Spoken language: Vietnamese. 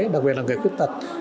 đặc biệt là người khuyết tật